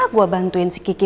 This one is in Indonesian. gua bantuin si kiki